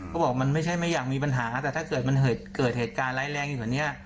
บอกมันไม่ใช่ไม่อยากมีปัญหาแต่ถ้าเกิดมันเกิดเหตุการณ์ร้ายแรงอยู่กว่านี้